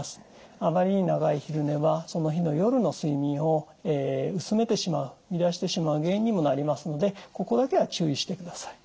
あまりに長い昼寝はその日の夜の睡眠を薄めてしまう乱してしまう原因にもなりますのでここだけは注意してください。